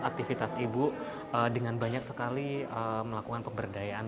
aktivitas ibu dengan banyak sekali melakukan pemberdayaan